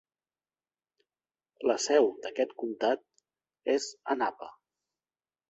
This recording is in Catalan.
La seu d'aquest comtat és a Napa.